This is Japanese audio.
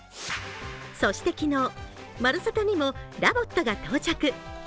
そして昨日、「まるサタ」にもＬＯＶＯＴが到着。